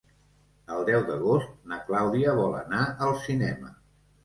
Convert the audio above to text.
El deu d'agost na Clàudia vol anar al cinema.